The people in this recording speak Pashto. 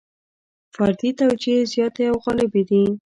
فردي توجیې زیاتې او غالبې دي.